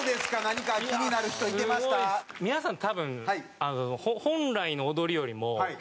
皆さん多分本来の踊りよりもえっ？